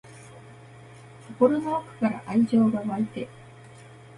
心の奥から愛情が湧いて